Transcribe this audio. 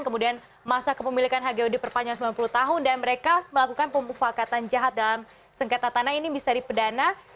kemudian masa kepemilikan hgu diperpanjang sembilan puluh tahun dan mereka melakukan pemufakatan jahat dalam sengketa tanah ini bisa dipedana